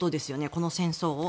この戦争を。